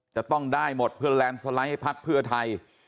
จะต้องได้หมดเพื่อแลนด์สไลด์ให้พักเพื่อไทย